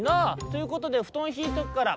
「ということでふとんひいとくから」。